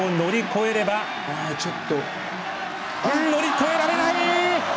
乗り越えられない！